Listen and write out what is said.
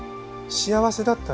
幸せだった？